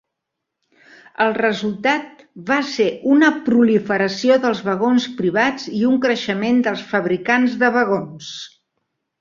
El resultat va ser una proliferació dels vagons privats i un creixement dels fabricants de vagons.